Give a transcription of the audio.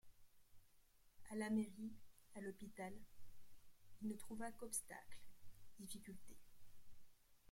À la mairie, à l'hôpital, il ne trouva qu'obstacles, difficultés.